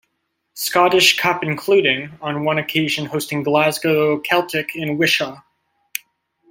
Scottish Cup including, on one occasion hosting Glasgow Celtic in Wishaw.